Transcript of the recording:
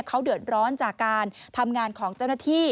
เขาเดือดร้อนจากการทำงานของเจ้าหน้าที่